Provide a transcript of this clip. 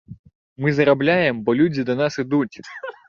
Мы зарабляем, бо людзі да нас ідуць.